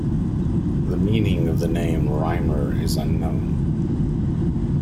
The meaning of the name "Rymr" is unknown.